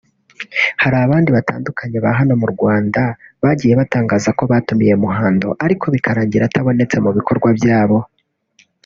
Hari abandi batandukanye ba hano mu Rwanda bagiye batangaza ko batumiye Muhando ariko bikarangira atabonetse mu bikorwa byabo